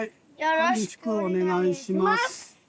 よろしくお願いします。